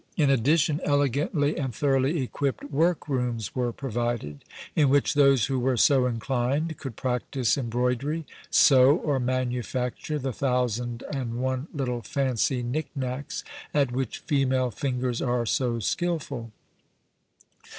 In addition elegantly and thoroughly equipped work rooms were provided, in which those who were so inclined could practice embroidery, sew or manufacture the thousand and one little fancy knick knacks at which female fingers are so skilful.